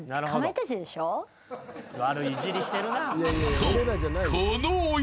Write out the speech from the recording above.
［そう］